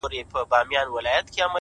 بریا له تمرین سره وده کوي,